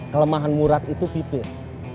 kelemahan murad itu pipit